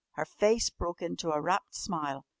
Her face broke into a rapt smile.